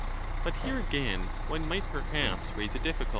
But here again one might perhaps raise a difficulty.